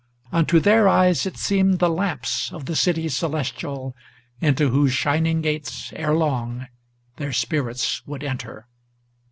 Unto their eyes it seemed the lamps of the city celestial, Into whose shining gates erelong their spirits would enter.